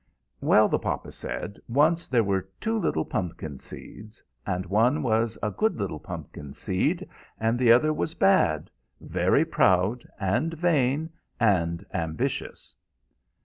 "Well," the papa said, "once there were two little pumpkin seeds, and one was a good little pumpkin seed, and the other was bad very proud, and vain, and ambitious."